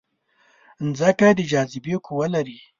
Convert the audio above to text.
مځکه د جاذبې قوه لري.